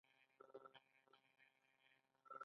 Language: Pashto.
آیا د کاربن مالیه هلته رواج نه ده؟